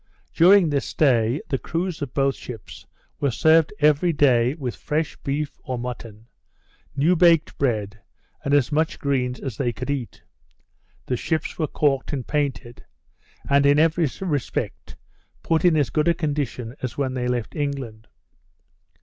During this stay the crews of both ships were served every day with fresh beef or mutton, new baked bread, and as much greens as they could eat. The ships were caulked and painted; and, in every respect, put in as good a condition as when they left England.